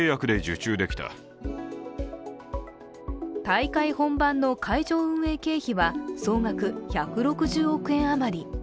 大会本番の会場運営経費は総額１６０億円余り。